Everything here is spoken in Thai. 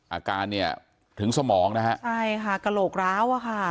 อาการเนี่ยถึงสมองนะฮะใช่ค่ะกระโหลกร้าวอะค่ะ